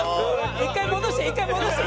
一回戻して一回戻して。